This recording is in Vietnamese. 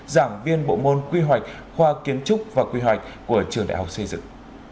giảng viên bộ môn quy hoạch khoa kiến trúc và quy hoạch của trường đại học xây dựng